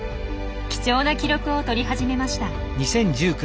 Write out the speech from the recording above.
貴重な記録をとり始めました。